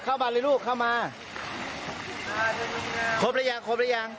เข้ามาเลยลูกเข้ามาครบหรือยังครบหรือยัง